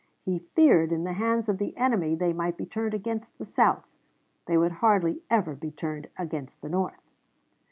He feared in the hands of the enemy they might be turned against the South; they would hardly ever be turned against the North.